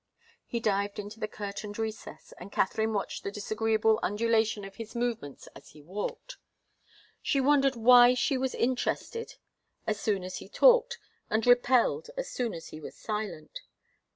He dived into the curtained recess, and Katharine watched the disagreeable undulation of his movements as he walked. She wondered why she was interested as soon as he talked, and repelled as soon as he was silent.